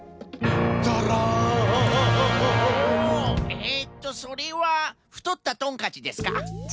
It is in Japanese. えっとそれはふとったトンカチですか？